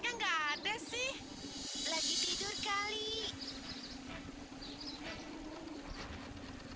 yang kek definisi napijol ya kurangnya